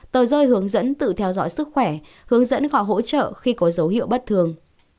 tờ rơi hướng dẫn tự theo dõi sức khỏe hướng dẫn họ hỗ trợ khi có dấu hiệu bất thường